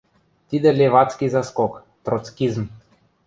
Тидӹ левацкий заскок, троцкизм.